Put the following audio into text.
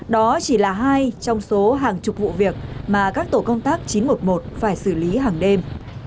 đó chỉ là hai trong số hàng chục vụ việc mà các tổ công tác chín trăm một mươi một phải xử lý hàng đêm